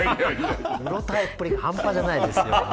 うろたえっぷりが半端じゃないですね。